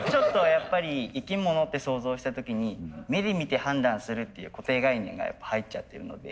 やっぱり生き物って想像した時に目で見て判断するっていう固定概念が入っちゃってるので。